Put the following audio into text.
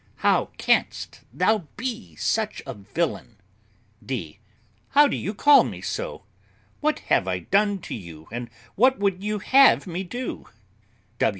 How canst thou be such a villain? D. How can you call me so? What have I done to you, and what would you have me do?